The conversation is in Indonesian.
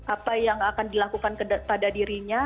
apa yang akan dilakukan pada dirinya